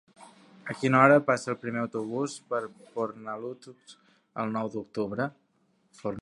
A quina hora passa el primer autobús per Fornalutx el nou d'octubre?